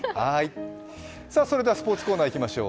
それではスポーツコーナーにいきましょう。